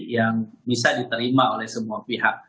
yang bisa diterima oleh semua pihak